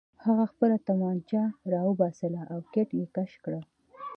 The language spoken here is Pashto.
هغه خپله توپانچه راوباسله او ګېټ یې کش کړ